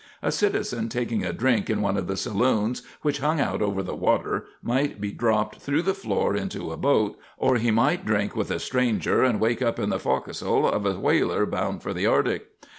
A citizen taking a drink in one of the saloons which hung out over the water might be dropped through the floor into a boat, or he might drink with a stranger and wake in the forecastle of a whaler bound for the Arctic.